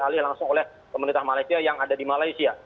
dialih langsung oleh pemerintah malaysia yang ada di malaysia